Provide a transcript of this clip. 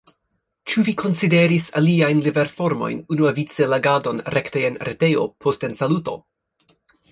Ĉu vi konsideris aliajn liverformojn, unuavice legadon rekte en retejo, post ensaluto?